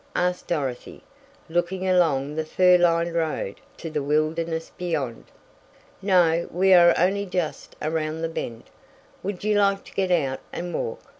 asked Dorothy, looking along the fir lined road to the wilderness beyond. "No, we are only just around the bend. Would you like to get out and walk?